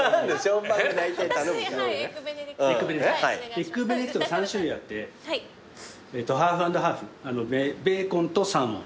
エッグベネディクトが３種類あってハーフ＆ハーフベーコンとサーモン。